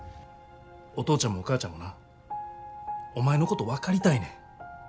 お父ちゃんもお母ちゃんもなお前のこと分かりたいねん。